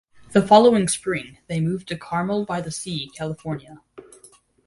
The following spring they moved to Carmel-by-the-Sea, California.